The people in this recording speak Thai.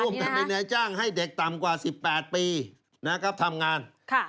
ร่วมกันเป็นไหนจ้างให้เด็กต่ำกว่า๑๘ปีทำงาน